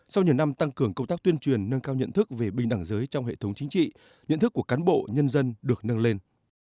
sau nhiều năm tăng cường công tác tuyên truyền nâng cao nhận thức về bình đẳng giới trong hệ thống chính trị nhận thức của cán bộ nhân dân được nâng lên